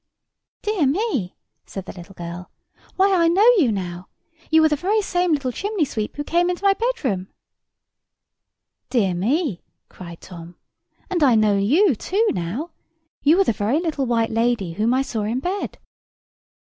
"Dear me!" said the little girl; "why, I know you now. You are the very same little chimney sweep who came into my bedroom." "Dear me!" cried Tom. "And I know you, too, now. You are the very little white lady whom I saw in bed."